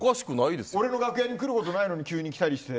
俺の楽屋に来ることないのに急に来たりして。